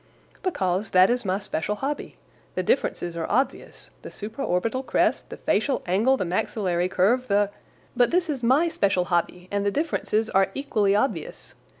"Because that is my special hobby. The differences are obvious. The supra orbital crest, the facial angle, the maxillary curve, the—" "But this is my special hobby, and the differences are equally obvious.